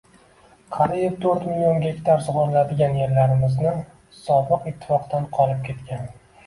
Qariyb to'rt million gektar sug‘oriladigan yerlarimizni sobiq ittifoqdan qolib ketgan